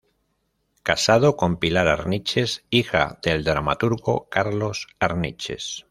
Casado con Pilar Arniches, hija del dramaturgo Carlos Arniches.